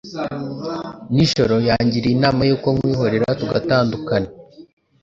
nijiro yangiriye inama yuko nkwihorera tugatanduka.